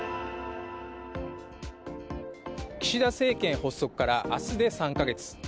岸田政権発足から明日で３カ月。